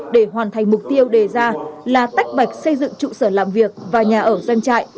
để hoàn thành mục tiêu đề ra là tách bạch xây dựng trụ sở làm việc và nhà ở doanh trại